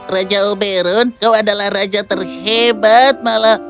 raja uberun kau adalah raja terhebat malah